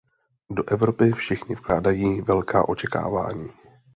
Do Evropy všichni vkládají velká očekávání.